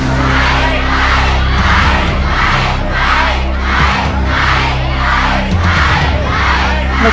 ใช่